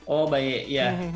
oh baik ya